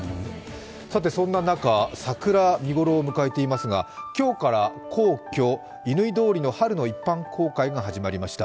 さて、そんな中、桜が見頃を迎えていますが今日から皇居・乾通りの一般公開が始まりました。